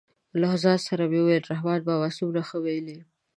له ځان سره مې ویل رحمان بابا څومره ښه ویلي.